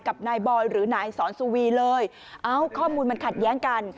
กับนายบอยหรือนายสอนสุวีเลยเอ้าข้อมูลมันขัดแย้งกัน